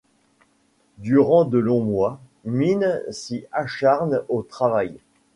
Durant de longs mois, Minne s'y acharne au travail.